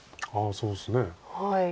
そうですね。